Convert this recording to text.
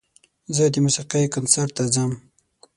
زه د موسیقۍ کنسرت ته ځم.